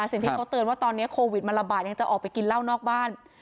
สิ่งที่เขาเตือนว่าตอนนี้โควิดมันระบาดยังจะออกไปกินเหล้านอกบ้าน